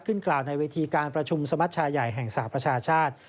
กล่าวในเวทีการประชุมสมัชชาใหญ่แห่งสหประชาชาติ